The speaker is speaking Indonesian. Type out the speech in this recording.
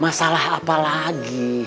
masalah apa lagi